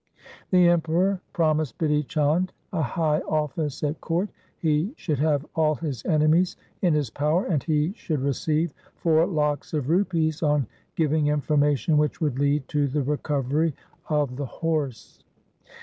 The Emperor promised Bidhi Chand a high office at court ; he should have all his enemies in his power, and he should receive four lakhs of rupees on giving information which would lead to the recovery of the horse.